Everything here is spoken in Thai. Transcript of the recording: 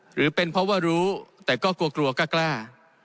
หรือเป็นเพราะว่ารู้แต่ก็กลัวกลัวกล้า